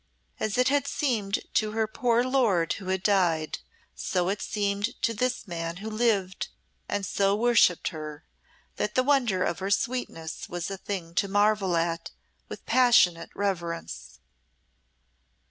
As it had seemed to her poor lord who had died, so it seemed to this man who lived and so worshipped her that the wonder of her sweetness was a thing to marvel at with passionate reverence.